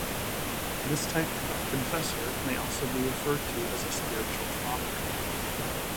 This type of confessor may also be referred to as a spiritual father.